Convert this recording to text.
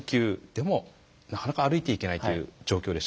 でも、なかなか歩いていけないという状況でした。